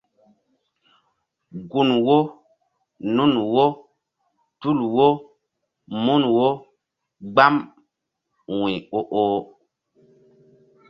Gun wo nun wo tul wo mun wo gbam wu̧y o oh.